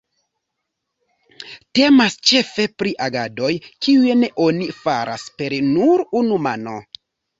Temas ĉefe pri agadoj, kiujn oni faras per nur unu mano.